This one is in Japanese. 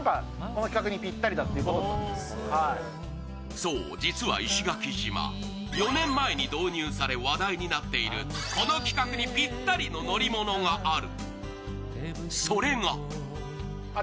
そう、実は石垣島、４年前に導入され話題になっているこの企画にぴったりの乗り物がある。